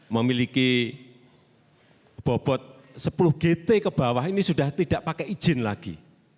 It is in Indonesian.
memiliki bobot sepuluh gt ke bawah ini sudah tidak pakai izin lagi